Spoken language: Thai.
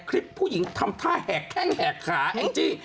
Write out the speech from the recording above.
คลิปผู้หญิงทำท่าแหกแข้งแหกขาแองจี้